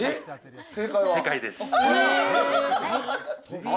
正解です。